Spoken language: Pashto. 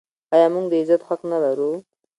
آیا موږ د عزت حق نلرو؟